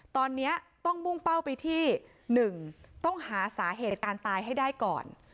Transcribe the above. ตอนนี้ต้องมุ่งเป้าไปที่๑ต้องหาสาเหตุการตายให้ได้ก่อน